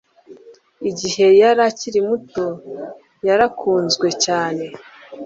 Igihe yari akiri muto yarakunzwe cyane